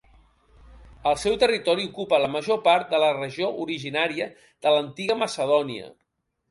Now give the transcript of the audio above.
El seu territori ocupa la major part de la regió originària de l'antiga Macedònia.